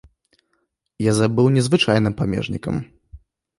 Язэп быў незвычайным памежнікам.